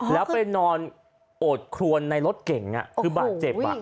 แล้วไปนอนโอดครวนในรถเก่งคือบาดเจ็บ